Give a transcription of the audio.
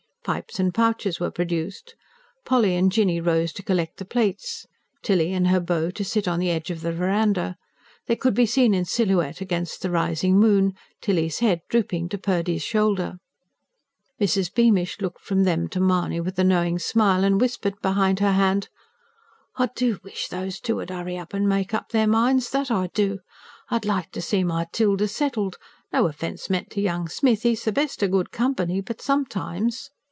Pipes and pouches were produced; Polly and Jinny rose to collect the plates, Tilly and her beau to sit on the edge of the verandah: they could be seen in silhouette against the rising moon, Tilly's head drooping to Purdy's shoulder. Mrs. Beamish looked from them to Mahony with a knowing smile, and whispered behind her hand: "I do wish those two 'ud 'urry up an' make up their minds, that I do! I'd like to see my Tilda settled. No offence meant to young Smith. 'E's the best o' good company. But sometimes